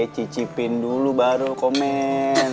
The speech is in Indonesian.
cicipin dulu baru komen